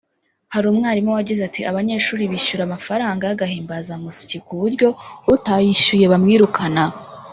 Hari umwarimu wagize ati “Abanyeshuri bishyura amafaranga y’agahimbazamusyi ku buryo utayishyuye bamwirukana